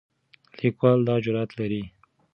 لیکوال دا جرئت لري.